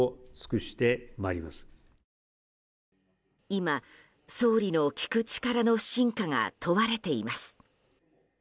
今、総理の聞く力の真価が問われています。